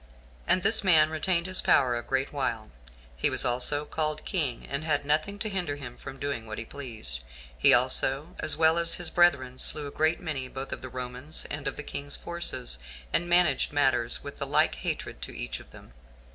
And this man retained his power a great while; he was also called king, and had nothing to hinder him from doing what he pleased. He also, as well as his brethren, slew a great many both of the Romans and of the king's forces, and managed matters with the like hatred to each of them.